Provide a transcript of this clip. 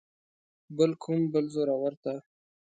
بل کوم بل زورور ته.